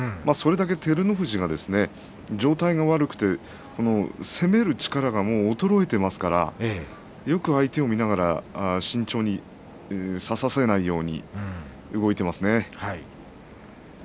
それだけ照ノ富士が状態が悪くて攻める力が衰えていますからよく相手を見ながら慎重に差させないように動いていますね。